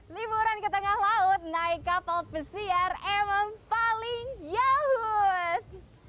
liburan ke tengah laut naik kapal pesiar emang paling yaus